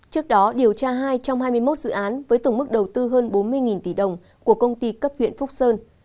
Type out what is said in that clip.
trước đó điều tra hai trong hai mươi một dự án với tổng mức đầu tư hơn bốn mươi tỷ đồng của công ty cấp huyện phúc sơn